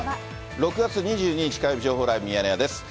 ６月２２日火曜日、情報ライブミヤネ屋です。